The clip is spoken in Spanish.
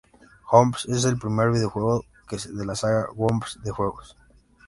Worms es el primer videojuego de la saga Worms de juegos.